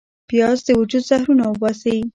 پیاز د وجود زهرونه وباسي